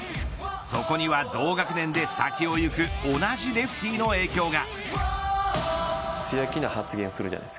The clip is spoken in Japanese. そこには、同学年で先をいく同じレフティの影響が。